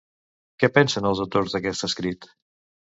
Què pensen els autors d'aquest escrit?